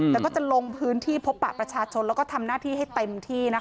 แต่ก็จะลงพื้นที่พบปะประชาชนแล้วก็ทำหน้าที่ให้เต็มที่นะคะ